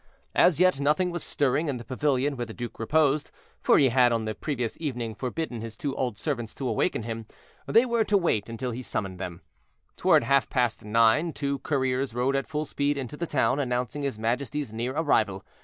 As yet nothing was stirring in the pavilion where the duke reposed, for he had on the previous evening forbidden his two old servants to awaken him. They were to wait until he summoned them. Toward half past nine two couriers rode at full speed into the town, announcing his majesty's near arrival.